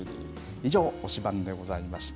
以上、推しバン！でございました。